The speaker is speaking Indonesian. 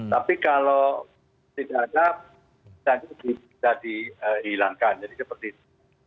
tapi kalau tidak ada bisa dihilangkan jadi seperti itu